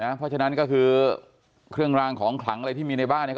เพราะฉะนั้นก็คือเครื่องรางของขลังอะไรที่มีในบ้าน